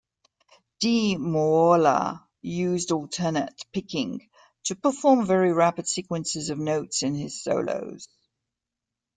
Di Meola used alternate-picking to perform very rapid sequences of notes in his solos.